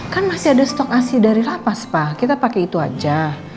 kan masih ada stok asli dari rapas pak kita pake itu aja